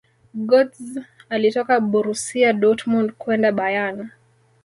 gotze alitoka borusia dortmund kwenda bayern